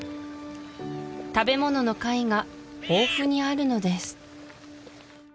食べ物の貝が豊富にあるのです